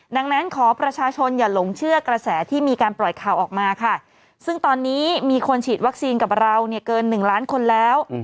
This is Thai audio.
ดังนั้นขอประชาชนอย่าหลงเชื่อกระแสที่มีการปล่อยข่าวออกมาค่ะซึ่งตอนนี้มีคนฉีดวัคซีนกับเราเนี่ยเกิน๑ล้านคนแล้ว